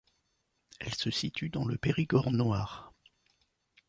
Elle se situe dans le Périgord noir.